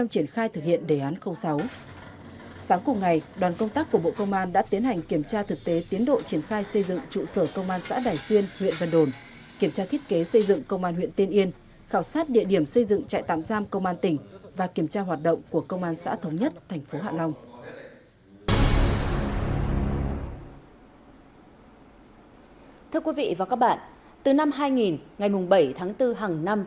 công an đã tiến hành kiểm tra thực tế tiến độ triển khai xây dựng trụ sở công an xã đài xuyên huyện vân đồn kiểm tra thiết kế xây dựng công an huyện tiên yên khảo sát địa điểm xây dựng trại tạm giam công an tỉnh và kiểm tra hoạt động của công an xã thống nhất thành phố hạ long